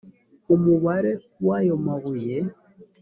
umubare w ayo mabuye